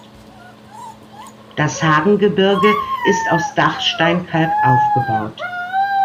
Das Hagengebirge ist aus Dachsteinkalk aufgebaut.